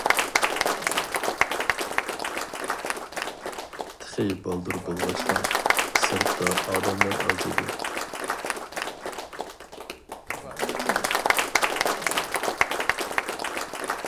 تېخى بالدۇر بولغاچقا، سىرتتا ئادەملەر ئاز ئىدى.